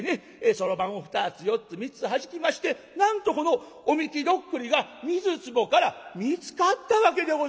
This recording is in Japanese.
そろばんを２つ４つ３つはじきましてなんとこの御神酒徳利が水壺から見つかったわけでございます。